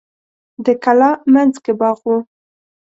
د کلا مینځ کې باغ و.